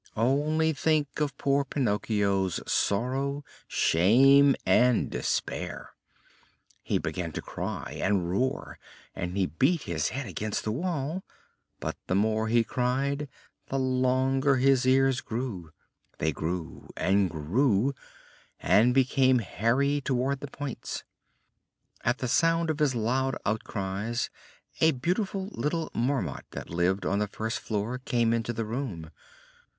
Only think of poor Pinocchio's sorrow, shame and despair! He began to cry and roar, and he beat his head against the wall, but the more he cried the longer his ears grew; they grew, and grew, and became hairy towards the points. At the sound of his loud outcries a beautiful little Marmot that lived on the first floor came into the room.